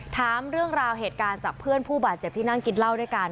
ถามเรื่องราวเหตุการณ์จากเพื่อนผู้บาดเจ็บที่นั่งกินเหล้าด้วยกัน